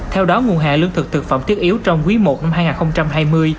theo đó nguồn hàng lương thực thực phẩm thiết yếu trong quý i năm hai nghìn hai mươi